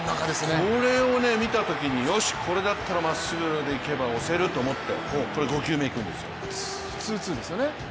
これをね、見たときによし、これだったらまっすぐでいけば押せると思って５球目行くんですよね。